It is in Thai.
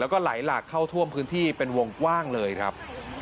แล้วก็ไหลหลากเข้าท่วมพื้นที่เป็นวงกว้างเลยครับ